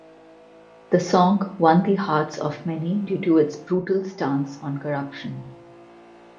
The song won the hearts of many due to its brutal stance on corruption.